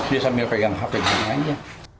dia sambil pegang hpg aja